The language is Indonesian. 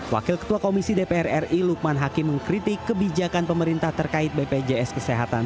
wakil ketua komisi dpr ri lukman hakim mengkritik kebijakan pemerintah terkait bpjs kesehatan